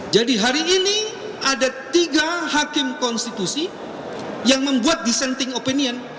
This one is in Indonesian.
jadi hari ini ada tiga hakim konstitusi yang membuat dissenting opinion